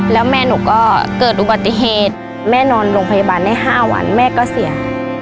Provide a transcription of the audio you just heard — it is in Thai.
แล้วแม่หนูก็เกิดอุบัติเหตุแม่นอนโรงพยาบาลได้๕วันแม่ก็เสีย